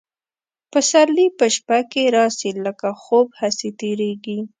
پسرلي په شپه کي راسي لکه خوب هسي تیریږي